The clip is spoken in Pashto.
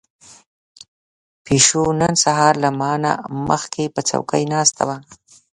پيشو نن سهار له ما نه مخکې په چوکۍ ناسته وه.